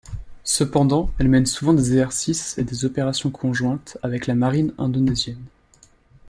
Cependant, elle mène souvent des exercices et des opérations conjoints avec la marine indonésienne.